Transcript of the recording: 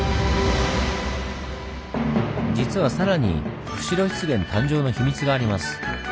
実は更に釧路湿原誕生の秘密があります。